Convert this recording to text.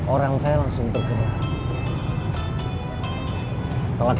orang saya langsung tergerak